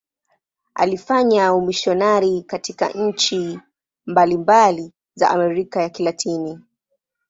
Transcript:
Alifanya umisionari katika nchi mbalimbali za Amerika ya Kilatini.